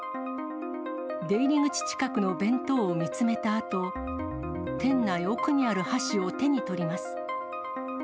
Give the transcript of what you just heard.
出入り口近くの弁当を見つめたあと、店内奥にある箸を手に取ります。